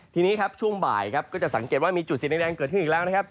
ทีนี้ครับช่วงบ่ายครับก็จะสังเกตว่ามีจุดสีแดงเกิดขึ้นอีกแล้วนะครับ